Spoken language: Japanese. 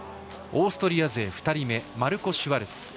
オーストリア勢２人目マルコ・シュワルツ。